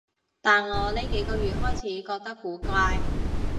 但我呢幾個月開始覺得古怪